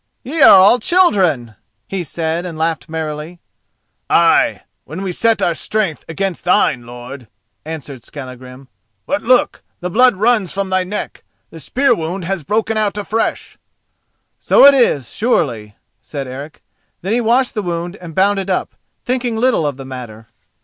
"Ye are all children," he said, and laughed merrily. "Ay, when we set our strength against thine, lord," answered Skallagrim; "but look: the blood runs from thy neck—the spear wound has broken out afresh." "So it is, surely," said Eric. Then he washed the wound and bound it up, thinking little of the matter.